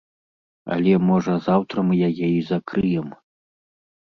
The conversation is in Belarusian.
Але, можа, заўтра мы яе і закрыем.